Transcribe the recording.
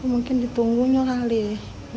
mungkin ditunggunya kali ye